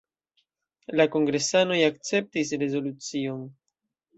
La kongresanoj akceptis rezolucion.